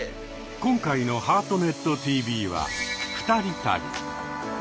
今回の「ハートネットＴＶ」は二人旅。